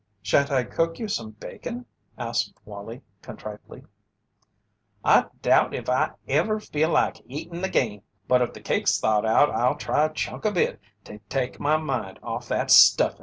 "Shan't I cook you some bacon?" asked Wallie, contritely. "I doubt if I ever feel like eatin' agin, but if the cake's thawed out I'll try a chunk of it to take my mind off that stuffin'."